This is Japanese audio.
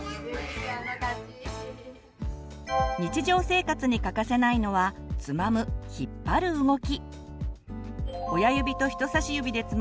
日常生活に欠かせないのはつまむ引っ張る動き。